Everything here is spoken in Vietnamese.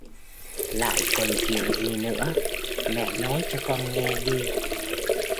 Lại còn chuyện gì nữa Mẹ nói cho con nghe đi